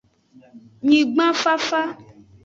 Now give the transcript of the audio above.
Nyigban fafa.